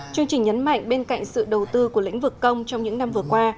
chương trình nhấn mạnh bên cạnh sự đầu tư của lĩnh vực công trong những năm vừa qua